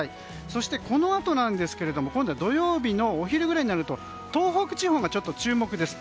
そしてこのあとですが今度は土曜日お昼ぐらいになると東北地方に注目です。